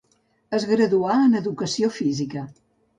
Es graduà en educació física.